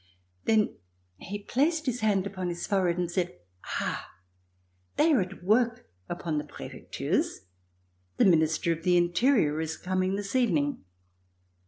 Then he placed his hand on his forehead and said: "Ah! they are at work upon the prefectures; the Minister of the Interior is coming this evening."